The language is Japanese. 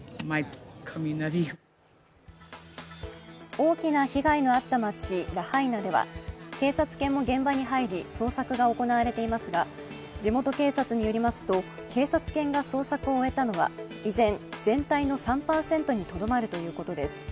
大きな被害のあった町ラハイナでは警察犬も現場に入り、捜索が行われていますが地元警察によりますと警察犬が捜索を終えたのは依然、全体の３％にとどまるということです。